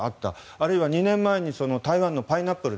あるいは２年前に台湾のパイナップル。